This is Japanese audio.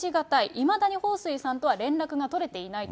いまだに彭帥さんとは連絡が取れていないと。